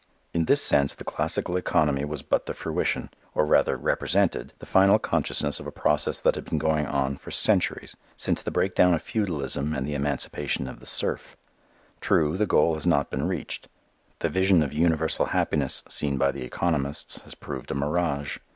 In this sense the classical economy was but the fruition, or rather represented the final consciousness of a process that had been going on for centuries, since the breakdown of feudalism and the emancipation of the serf. True, the goal has not been reached. The vision of the universal happiness seen by the economists has proved a mirage.